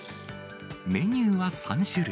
メニューは３種類。